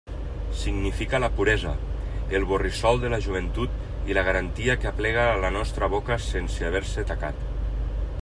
Significa la puresa, el borrissol de la joventut i la garantia que aplega a la nostra boca sense haver-se tacat.